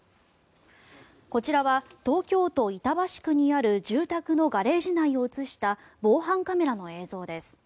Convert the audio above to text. こちらは東京都板橋区にある住宅のガレージ内を映した防犯カメラの映像です。